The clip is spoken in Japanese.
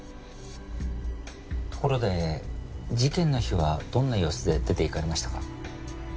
ところで事件の日はどんな様子で出て行かれましたか？